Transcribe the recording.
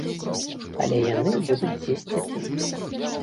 Але яны будуць дзесьці тут.